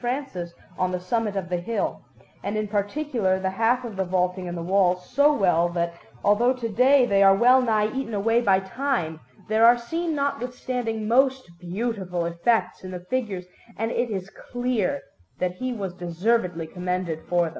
Francis on the summit of the hill, and in particular the half of the vaulting and the walls, so well that, although to day they are wellnigh eaten away by time, there are seen notwithstanding most beautiful effects in the figures; and it is clear that he was deservedly commended for them.